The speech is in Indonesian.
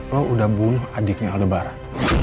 lo udah bunuh adiknya lebaran